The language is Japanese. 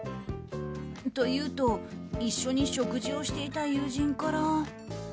と、言うと一緒に食事をしていた友人から。